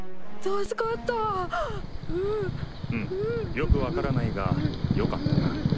よく分からないがよかったな。